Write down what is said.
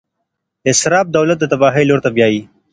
اسراف دولت د تباهۍ لور ته بیايي.